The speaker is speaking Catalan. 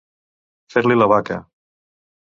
Fer-li la vaca.